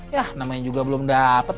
yah namanya juga belum dapet